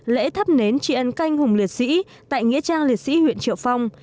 lễ thắp nến trị ân canh hùng liệt sĩ tại nghĩa trang liệt sĩ huyện triệu phong